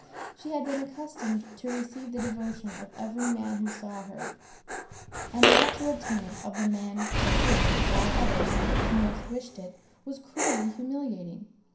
She had been accustomed to receive the devotion of every man who saw her, and not to obtain it of the man from whom, of all others, she most wished it, was cruelly humiliating.